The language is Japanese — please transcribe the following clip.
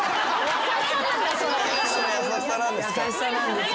それ優しさなんですか？